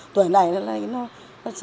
tuổi này nó bất thình lệnh